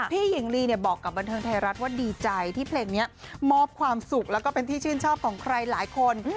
พี่หญิงลีเนี่ยบอกกับบันเทิงไทยรัฐว่าดีใจที่เพลงนี้มอบความสุขแล้วก็เป็นที่ชื่นชอบของใครหลายคน